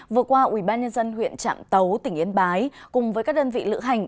vừa qua ubnd huyện trạm tấu tỉnh yên bái cùng với các đơn vị lữ hành